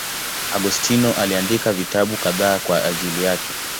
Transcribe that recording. Augustino aliandika vitabu kadhaa kwa ajili yake.